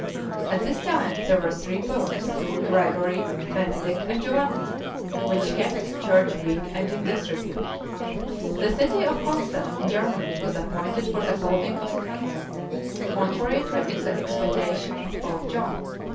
At this time there were three popes, Gregory, Benedict, and Giovanni, which kept the church weak and in disrepute. The city of Constance, in Germany, was appointed for the holding of the council, contrary to the expectation of Pope John.